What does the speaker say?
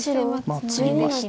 ツギました。